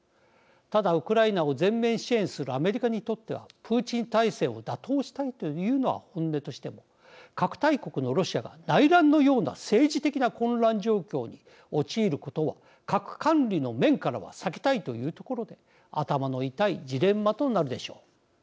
ただ、ウクライナを全面支援するアメリカにとってはプーチン体制を打倒したいというのは本音としても、核大国のロシアが内乱のような政治的な混乱状況に陥ることは核管理の面からは避けたいというところで頭の痛いジレンマとなるでしょう。